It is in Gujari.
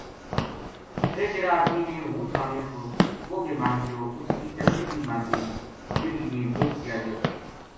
فر جہیڑا آدمی نے ہوں سامیو تھو وہ بے مر گیو اُس کی ٹبری بھی مر گئی جہیڑی نے دودھ پیالیو تھو